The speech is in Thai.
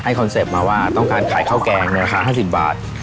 คอนเซ็ปต์มาว่าต้องการขายข้าวแกงในราคา๕๐บาท